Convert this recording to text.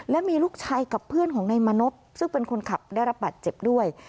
และมีลูกชายกับเพื่อนของนายมานพซึ่งเป็นคนขับได้รับบัตรเจ็บด้วย